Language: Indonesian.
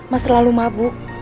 mas terlalu mabuk